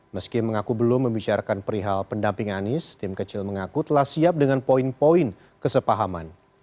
meski mengaku belum membicarakan perihal pendamping anies tim kecil mengaku telah siap dengan poin poin kesepahaman